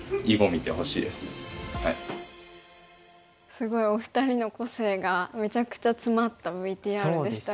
すごいお二人の個性がめちゃくちゃ詰まったＶＴＲでしたね。